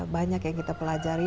banyak yang kita pelajari